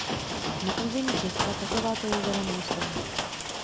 Na území Česka takováto jezera nejsou.